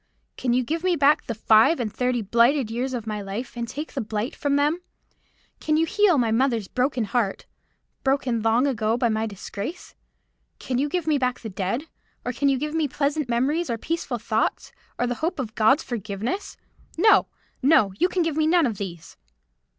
Can you give me back the five and thirty blighted years of my life, and take the blight from them? Can you heal my mother's broken heart,—broken, long ago by my disgrace? Can you give me back the dead? Or can you give me pleasant memories, or peaceful thoughts, or the hope of God's forgiveness? No, no; you can give me none of these."